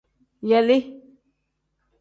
Yelii.